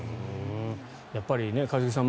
やっぱり一茂さん